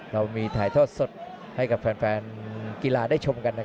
เรามีถ่ายทอดสดให้กับแฟนกีฬาได้ชมกัน